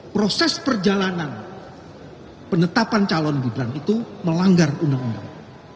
proses perjalanan penetapan calon gibran itu melanggar undang undang